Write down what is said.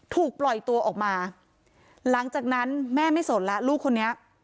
ถูกปล่อยตัวออกมาหลังจากนั้นแม่ไม่สนแล้วลูกคนนี้